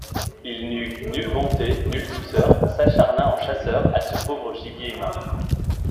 Il n'eut nulle bonté, nulle douceur, s'acharna en chasseur à ce pauvre gibier humain.